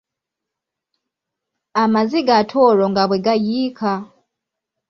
Amaziga ate olwo nga bwe gayiika.